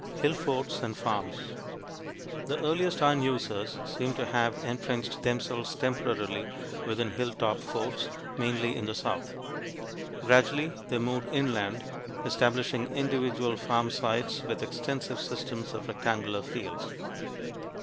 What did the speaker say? HILL FORTS AND FARMS The earliest iron users seem to have entrenched themselves temporarily within hill top forts, mainly in the south. Gradually, they moved inland, establishing individual farm sites with extensive systems of rectangular fields.